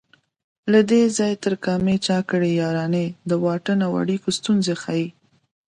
له دې ځای تر کامې چا کړي یارانې د واټن او اړیکو ستونزې ښيي